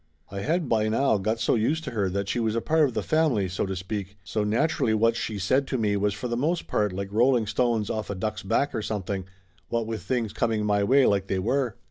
I had by now got so used to her that she was a part of the family, so to speak, so naturally what she said to me was for the most part like rolling stones off a duck's back or something, what with things com ing my way like they were.